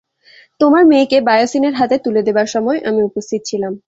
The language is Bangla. তোমার মেয়েকে বায়োসিনের হাতে তুলে দেবার সময় আমি উপস্থিত ছিলাম।